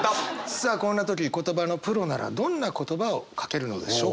さあこんな時言葉のプロならどんな言葉をかけるのでしょうか？